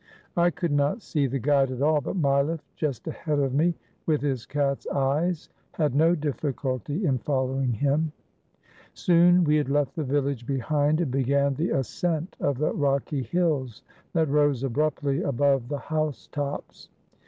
I could not see the guide at all, but Mileff, just ahead of me, with his cat's eyes, had no difficulty in following him. Soon we had left the village behind, and began the ascent of the rocky hills that rose abruptly above the house tops.